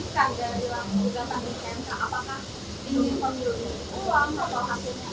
apakah pengajuan dari bumk atau hasilnya dianggur